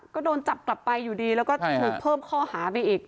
ก็โดนจับกลับไปอยู่ดีแล้วก็ถูกเพิ่มข้อหาไปอีก